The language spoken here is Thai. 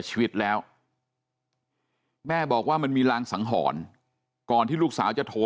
ชีวิตแล้วแม่บอกว่ามันมีรางสังหรณ์ก่อนที่ลูกสาวจะโทร